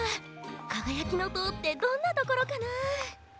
「かがやきのとう」ってどんなところかな？